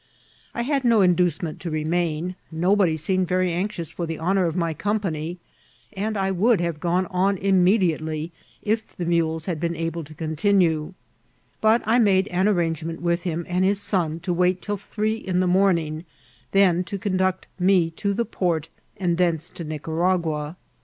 I had no inducement to remain ; no body seemed very anxious for the honour of my oom^ pany, and I would have gone on immediately if the mules had been able to continue ; but I made an at « Tangement with him and his son to wait till tiuree in the morning, then to conduct me to the port, and thence to INicaragna.